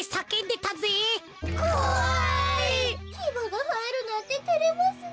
きばがはえるなんててれますね。